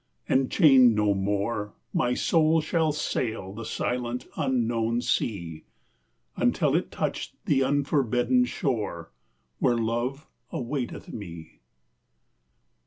Enchained no more My soul shall sail the silent unknown sea Until it touch the unforbidden shore Where Love awaiteth me.